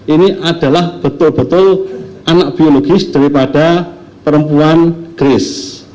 ini adalah betul betul anak biologis daripada perempuan kris